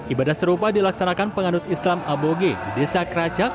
ibadah serupa dilaksanakan panganut islam aboge di desa keracak